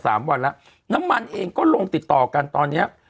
สามวันแล้วน้ำมันเองก็ลงติดต่อกันตอนเนี้ย